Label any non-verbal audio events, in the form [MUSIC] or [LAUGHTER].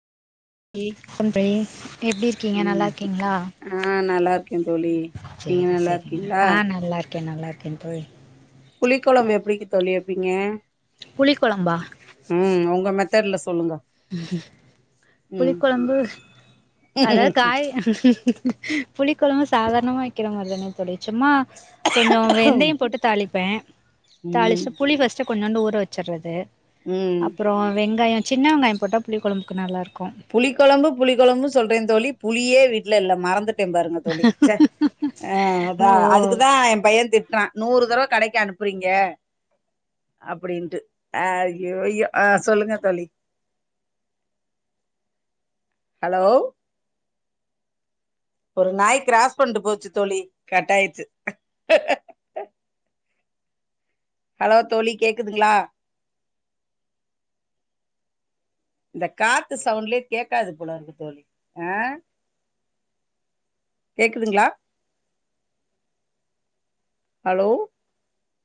தோழி [UNINTELLIGIBLE] எப்டி இருக்கீங்க ம் நல்லாருக்கீங்ளா ஆ நல்லா இருக்கே தோழி நீங்க சேரி நல்லா சேரிங்க இருக்கீங்களா ஆ நல்லாருக்கே நல்லாருக்கே தோழி புளி கொழம்பு எப்டிங்க தோழி வெப்பீங்க புளி கொழம்பா ம் ஒங்க மெத்தட்ல சொல்லுங்க புளி ம் கொழம்பு அதாது காய் புளி கொழம்பு சாதாரணமா வைக்கிற மாரி தாங்க தோழி சும்மா கொஞ்சோ வெந்தயோ போட்டு தாளிப்பே ம் தாளிச்ட்டு புளி ஃபஸ்ட்டு கொஞ்சோண்டு ஊற வச்சர்றது ம் அப்றோ வெங்காயோ சின்ன வெங்காயம் போட்டா புளிக்கொழம்புக்கு நல்லாருக்கு புளி கொழம்பு புளி கொழம்பு சொல்றே தோழி புளியே வீட்ல இல்ல மறந்துட்டு ட்டே பாருங்க தோழி ச்சே ஆ அதா ஓ அதுக்குதா ஏ பையன் திட்ரா நூறு தரவ கடைக்கு அனுப்றீங்க அப்டின்ட்டு அய்யோயோ ஆ சொல்லுங்க தோழி ஹலோ ஒரு நாய் கிராஸ் பண்ட்டு போச்சு தோழி கட்டாயிட்ச்சு ஹலோ தோழி கேக்குதுங்ளா இந்த காத்து சவுண்ட்லே கேக்காது போலர்க்கு தோழி ஆ கேக்குதுங்ளா ஹலோ